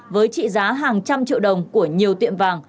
với trị giá hàng trăm triệu đồng của nhiều tiệm vàng